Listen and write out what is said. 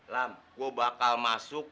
lam gua bakal masuk